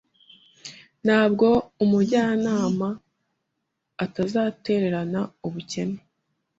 Ntabwo Umujyanama atazatererana Ubukene